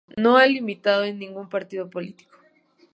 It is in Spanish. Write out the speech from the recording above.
No ha militado en ningún partido político.